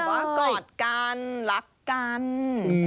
ว่ากอดกันรักกัน